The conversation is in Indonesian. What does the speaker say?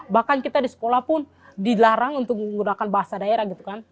bahkan kita di sekolah pun dilarang untuk menggunakan bahasa daerah gitu kan